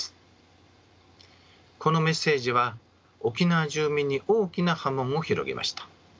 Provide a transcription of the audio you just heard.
このメッセージは沖縄住民に大きな波紋を広げました。